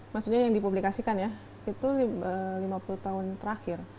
maksudnya yang dipublikasikan ya itu lima puluh tahun terakhir